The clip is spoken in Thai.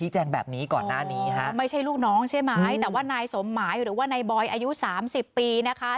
แต่ว่านายสมหมายในบ่อยอายุ๓๐ปีนะครับ